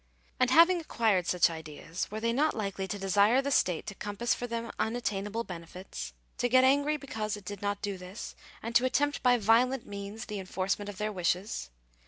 And, having acquired such ideas, were they not likely to desire the state to compass for them unattainable benefits; to get angry because it did not do this ; and to attempt by violent means the enforcement of their wishes